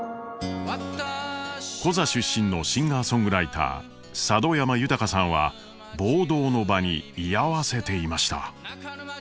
コザ出身のシンガーソングライター佐渡山豊さんは暴動の場に居合わせていました。